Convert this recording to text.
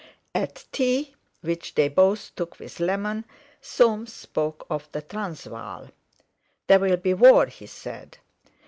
At tea, which they both took with lemon, Soames spoke of the Transvaal. "There'll be war," he said.